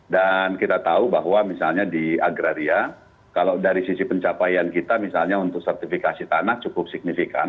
dan kita tahu bahwa misalnya di agraria kalau dari sisi pencapaian kita misalnya untuk sertifikasi tanah cukup signifikan